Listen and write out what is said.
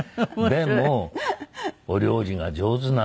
でもお料理が上手なのよ。